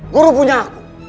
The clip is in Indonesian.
guru punya aku